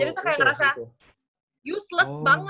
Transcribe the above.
jadi kita kayak ngerasa useless banget kak